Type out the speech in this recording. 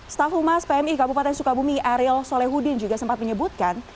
staff umas pmi kabupaten sukabumi ariel solehudin juga sempat menyebutkan